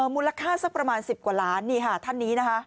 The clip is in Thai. มูลค่าสักประมาณ๑๐กว่าล้านนี่ค่ะท่านนี้นะคะ